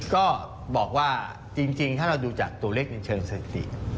ก็บอกว่าจริงถ้าเราดูจากตัวเลขในเชิงสถิติ